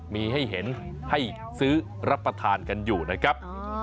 มีให้เห็นให้ซื้อรับประทานกันอยู่นะครับ